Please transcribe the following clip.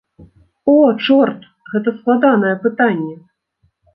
О, чорт, гэта складанае пытанне.